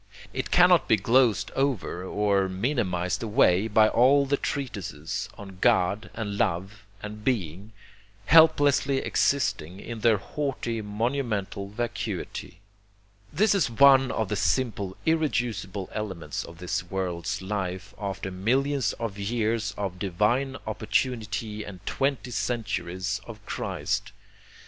It cannot be glozed over or minimized away by all the treatises on God, and Love, and Being, helplessly existing in their haughty monumental vacuity. This is one of the simple irreducible elements of this world's life after millions of years of divine opportunity and twenty centuries of Christ.